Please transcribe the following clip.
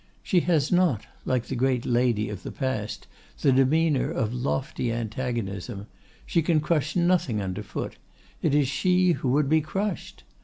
She has not, like the great lady of the past, the demeanor of lofty antagonism; she can crush nothing under foot, it is she who would be crushed.